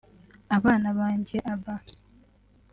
abana banjye Abba